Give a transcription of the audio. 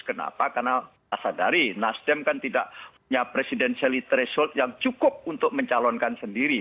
kenapa karena asadari nasdem kan tidak punya presiden selitresol yang cukup untuk mencalonkan sendiri